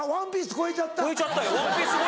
超えちゃった！